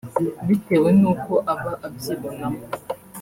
bitewe n’uko aba abyibonamo